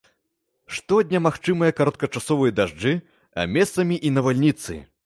Штодня магчымыя кароткачасовыя дажджы, а месцамі і навальніцы.